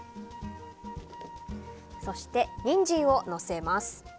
そして、ニンジンをのせます。